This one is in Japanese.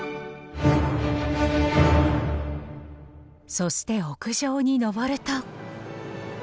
そして屋上に上ると。